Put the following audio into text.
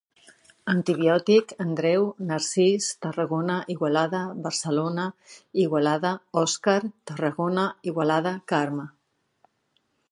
Antibiòtic: Andreu, Narcís, Tarragona, Igualada, Barcelona, Igualada, Òscar, Tarragona, Igualada, Carme.